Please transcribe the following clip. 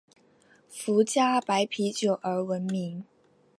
福佳白啤酒而闻名。